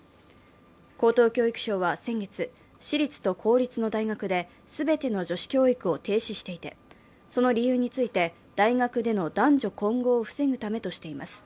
高等教育省は先月、私立と公立の大学で全ての女子教育を停止していて、その理由について、大学での男女混合を防ぐためとしています。